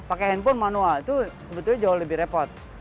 pakai handphone manual itu sebetulnya jauh lebih repot